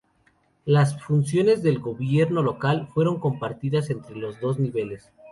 Las funciones del gobierno local fueron compartidas entre los dos niveles.